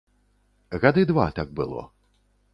Гады два так было.